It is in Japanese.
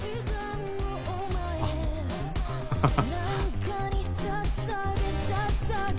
あハハハ！